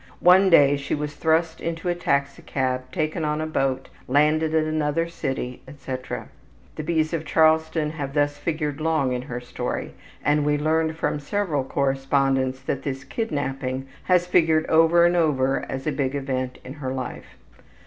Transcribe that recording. One day she was thrust into a taxicab, taken on a boat, landed at another city, etc. The B.'s of Charleston have thus figured long in her story, and we learned from several correspondents that this kidnapping has figured over and over as a big event in her life.